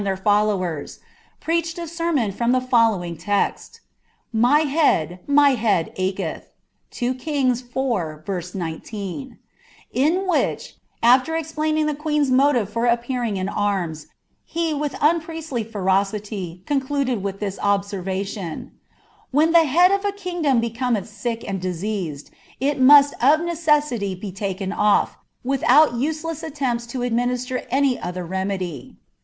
tlteir followers, preaclieil a sermon from the following text : '*My \Mi, my head aclielli;" (3 Kings iv. 19;) in which, afier espltUAiDg ihl queen's motive for appearing in arms, he with unprieaily fetocjiy «»■ cludeJ with this observation :" When the head of a liingdom bMoattb sick and diseased, it musi of necessity be Isken off, without tudM attempts to administer any other remedy."